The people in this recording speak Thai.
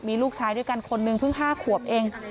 มีลูกชายด้วยกันคนนึงเพิ่ง๕ขวบเอง